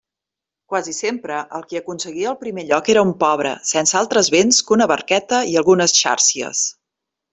Quasi sempre, el qui aconseguia el primer lloc era un pobre, sense altres béns que una barqueta i algunes xàrcies.